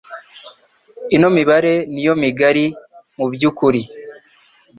ino mibare niyo migari mu byu kuri